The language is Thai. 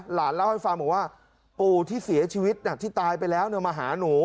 หลานเล่าให้ฟังบอกว่าปู่ที่เสียชีวิตที่ตายไปแล้วมาหาหนู